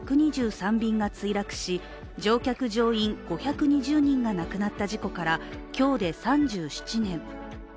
便が墜落し、乗客・乗員５２０人が亡くなった事故から今日で３７年。